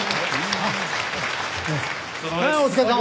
お疲れさん